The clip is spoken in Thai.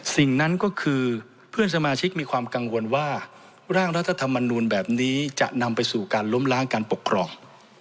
สิ่งนั้นก็คือเพื่อนสมาชิกมีความกังวลว่าร่างรัฐธรรมนูลแบบนี้จะนำไปสู่การล้มล้างการปกครอง